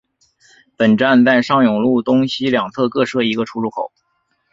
本站在上永路东西两侧各设一个出入口。